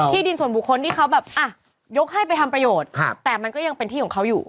ดินส่วนบุคคลที่เขาแบบอ่ะยกให้ไปทำประโยชน์แต่มันก็ยังเป็นที่ของเขาอยู่